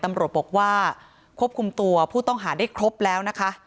ตำรวจบอกว่าควบคุมตัวผู้ต้องหาได้ครบแล้วนะคะ